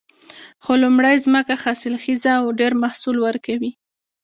خو لومړۍ ځمکه حاصلخیزه وه او ډېر محصول ورکوي